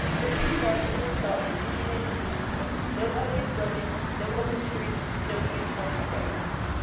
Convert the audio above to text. The city was in itself mean and contemptible, no elegant buildings, no open streets, no uniform squares."